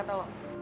gak tau lo